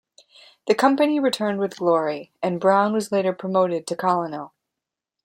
The company returned with glory, and Brown was later promoted to Colonel.